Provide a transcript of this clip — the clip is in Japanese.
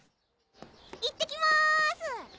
いってきます